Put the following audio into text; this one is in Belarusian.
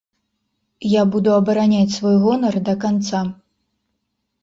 Я буду абараняць свой гонар да канца.